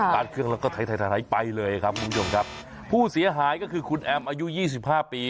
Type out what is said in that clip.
การเครื่องเราก็ไถ่ไปเลยครับผู้ชมครับผู้เสียหายก็คือคุณแอมอายุ๒๕ปี